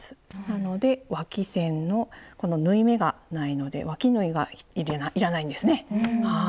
なのでわき線のこの縫い目がないのでわき縫いがいらないんですね。